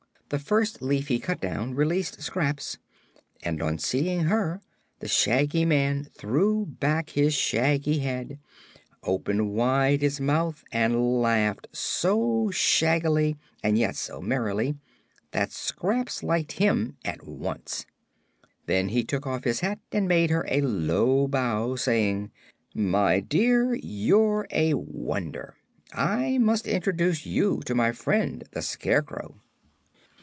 The first leaf he cut down released Scraps, and on seeing her the Shaggy Man threw back his shaggy head, opened wide his mouth and laughed so shaggily and yet so merrily that Scraps liked him at once. Then he took off his hat and made her a low bow, saying: "My dear, you're a wonder. I must introduce you to my friend the Scarecrow."